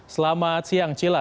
selamat siang cila